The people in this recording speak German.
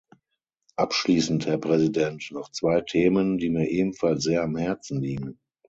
Abschließend, Herr Präsident, noch zwei Themen, die mir ebenfalls sehr am Herzen liegen.